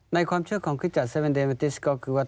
ในความชั่วของคริสต์ศัพท์เซเว่นเดเมอร์ติสก็คือว่า